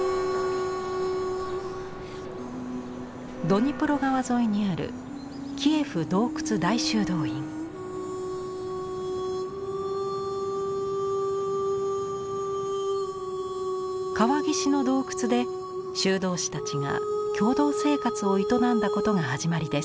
ドニプロ川沿いにある川岸の洞窟で修道士たちが共同生活を営んだことが始まりです。